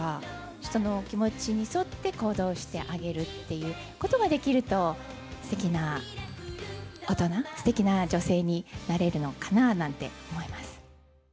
人の気持ちに添って行動してあげるっていうことができると、すてきな大人、すてきな女性になれるのかななんて思います。